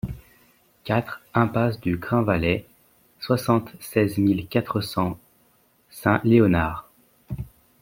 quatre impasse du Grainvallet, soixante-seize mille quatre cents Saint-Léonard